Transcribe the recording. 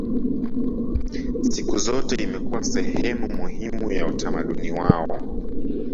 Siku zote imekuwa sehemu muhimu ya utamaduni wao